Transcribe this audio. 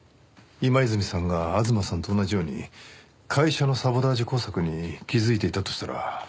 今泉さんが吾妻さんと同じように会社のサボタージュ工作に気づいていたとしたら。